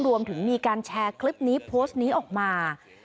รวมถึงมีการแชร์คลิปนี้โพสต์นี้ออกมา